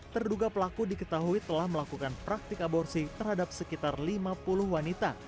terduga pelaku diketahui telah melakukan praktik aborsi terhadap sekitar lima puluh wanita